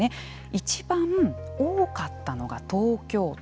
いちばん多かったのが東京都。